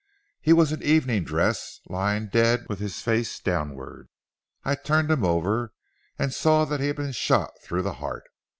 He was in evening dress lying dead with his face downward. I turned him over, and saw that he had been shot through the heart.